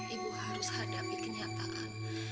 ibu harus hadapi kenyataan